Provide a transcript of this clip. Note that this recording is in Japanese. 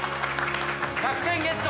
１００点ゲット。